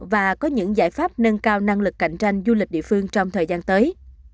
và có những giải pháp nâng cao năng lực cạnh tranh du lịch địa phương trong thời gian tới